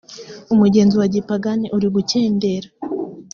umugenzo wa gipagani urigukendera.